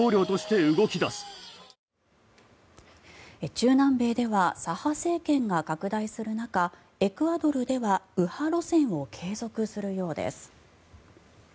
中南米では左派政権が拡大する中エクアドルでは右派路線を継続するようです。